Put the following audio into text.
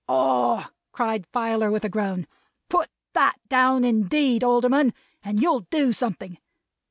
"Ah!" cried Filer, with a groan. "Put that down indeed. Alderman, and you'll do something.